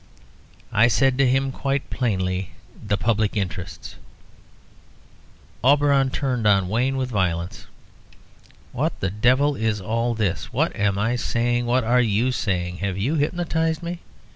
"I said to him quite plainly the public interests " Auberon turned on Wayne with violence. "What the devil is all this? What am I saying? What are you saying? Have you hypnotised me?